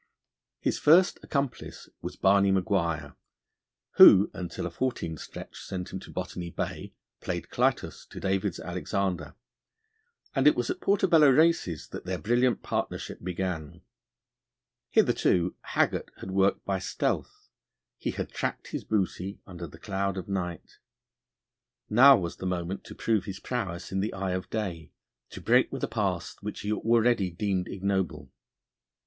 His first accomplice was Barney M'Guire, who until a fourteen stretch sent him to Botany Bay played Clytus to David's Alexander, and it was at Portobello Races that their brilliant partnership began. Hitherto Haggart had worked by stealth; he had tracked his booty under the cloud of night. Now was the moment to prove his prowess in the eye of day, to break with a past which he already deemed ignoble.